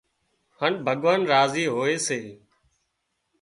هانَ ڀڳوان راضي هوئي سي